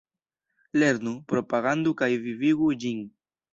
Lernu, propagandu kaj vivigu ĝin!